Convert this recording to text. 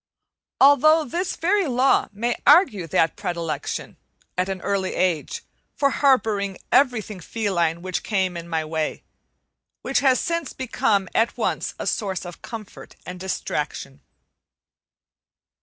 Although this very law may argue that predilection, at an early age, for harboring everything feline which came in my way, which has since become at once a source of comfort and distraction.